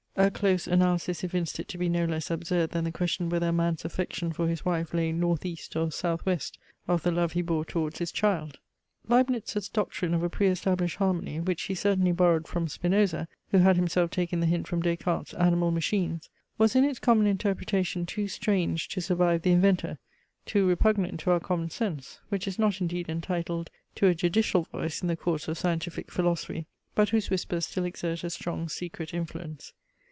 A close analysis evinced it to be no less absurd than the question whether a man's affection for his wife lay North east, or South west of the love he bore towards his child. Leibnitz's doctrine of a pre established harmony; which he certainly borrowed from Spinoza, who had himself taken the hint from Des Cartes's animal machines, was in its common interpretation too strange to survive the inventor too repugnant to our common sense; which is not indeed entitled to a judicial voice in the courts of scientific philosophy; but whose whispers still exert a strong secret influence.